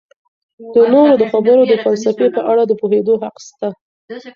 د نورو د خبرو د فلسفې په اړه د پوهیدو حق سته.